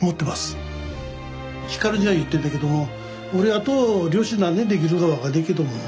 輝には言ってんだけども俺あと漁師何年できるか分かんねえけどもよ